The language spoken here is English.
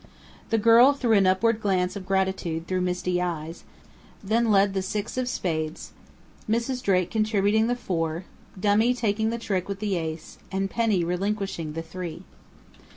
The girl threw an upward glance of gratitude through misty eyes, then led the six of Spades, Mrs. Drake contributing the four, dummy taking the trick with the Ace, and Penny relinquishing the three.